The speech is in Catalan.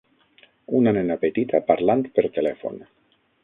Una nena petita parlant per telèfon.